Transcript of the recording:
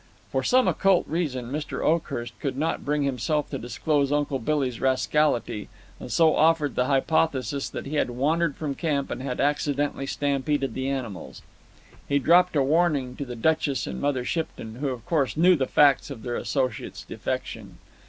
For some occult reason, Mr. Oakhurst could not bring himself to disclose Uncle Billy's rascality, and so offered the hypothesis that he had wandered from the camp and had accidentally stampeded the animals. He dropped a warning to the Duchess and Mother Shipton, who of course knew the facts of their associate's defection.